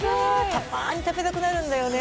たまに食べたくなるんだよね